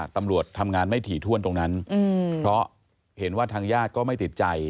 ตำรวจทำงานไม่ถี่ถ้วนตรงนั้นเพราะเห็นว่าทางญาติก็ไม่ติดใจ